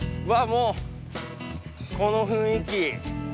もうこの雰囲気。